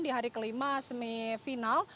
di hari kelima semifinal